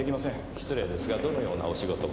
失礼ですがどのようなお仕事を？